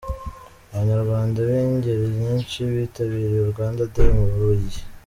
Abanyarwanda b'ingeri nyinshi bitabiriye Rwanda Day mu Bubiligi.